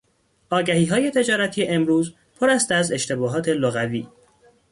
آگهیهای تجارتی امروزی پر است از اشتباهات لغوی.